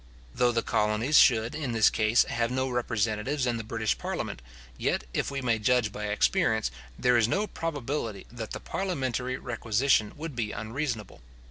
Though the colonies should, in this case, have no representatives in the British parliament, yet, if we may judge by experience, there is no probability that the parliamentary requisition would be unreasonable.